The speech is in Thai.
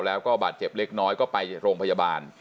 แล้วก็บาดเจ็บเล็กน้อยก็ไปโรงพยาบาล